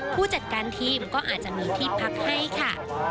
ผู้จัดการทีมก็อาจจะมีที่พักให้ค่ะ